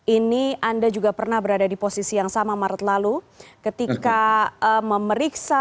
ini anda juga pernah berada di posisi yang sama maret lalu ketika memeriksa